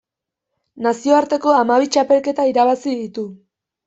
Nazioarteko hamabi txapelketa irabazi ditu.